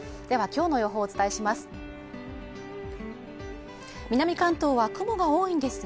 きょうの予報をお伝えします